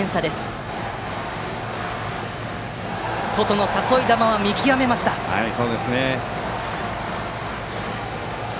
外の誘い球は見極めます、近藤。